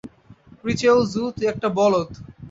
রি চেউল জু, তুই একটা বলদ!